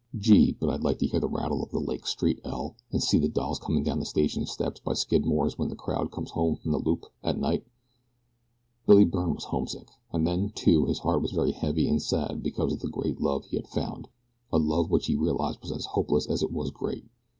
Gee! but I'd like to hear the rattle of the Lake Street 'L' and see the dolls coming down the station steps by Skidmore's when the crowd comes home from the Loop at night." Billy Byrne was homesick. And then, too, his heart was very heavy and sad because of the great love he had found a love which he realized was as hopeless as it was great.